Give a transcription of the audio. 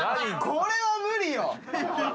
これは無理よ！